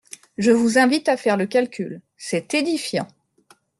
Je vous invite à faire le calcul : c’est édifiant.